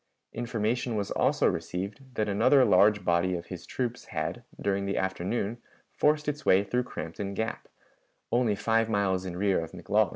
Information was also received that another large body of his troops had, during the afternoon, forced its way through Crampton Gap, only five miles in rear of McLaws.